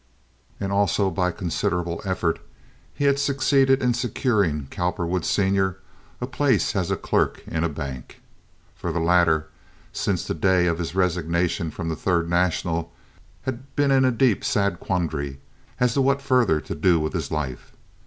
And also, by considerable effort, he had succeeded in securing Cowperwood, Sr., a place as a clerk in a bank. For the latter, since the day of his resignation from the Third National had been in a deep, sad quandary as to what further to do with his life.